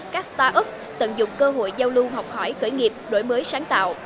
các startup tận dụng cơ hội giao lưu học hỏi khởi nghiệp nổi mới sáng tạo